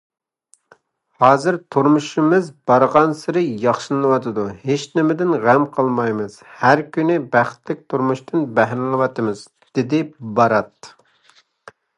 « ھازىر تۇرمۇشىمىز بارغانسېرى ياخشىلىنىۋاتىدۇ، ھېچنېمىدىن غەم قىلمايمىز، ھەر كۈنى بەختلىك تۇرمۇشتىن بەھرىلىنىۋاتىمىز» دېدى بارات.